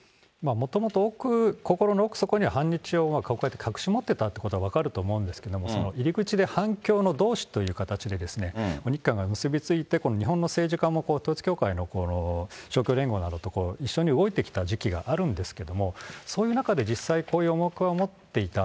もともと心の奥底に反日を隠し持っていたということは分かると思うんですけれども、その入り口で反共の同志という形で、日韓が結び付いて、日本の政治家も統一教会の勝共連合などと一緒に動いてきた時期があるんですけれども、そういう中で実際、こういう思惑は持っていた。